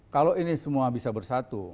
kalau ini semua bisa bersatu